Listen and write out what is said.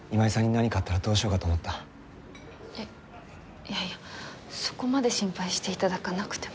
いやいやそこまで心配して頂かなくても。